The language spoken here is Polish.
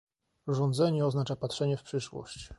Rządzenie oznacza patrzenie w przyszłość